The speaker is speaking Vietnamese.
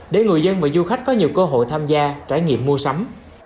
để người dân và du khách có nhiều cơ hội tham gia trải nghiệm mua sắm